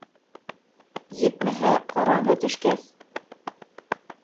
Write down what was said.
Етмәһә, ҡараңғы төшкәс...